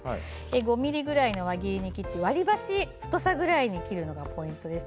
５ｍｍぐらいの輪切りにして割り箸くらいの太さに切るのがポイントです。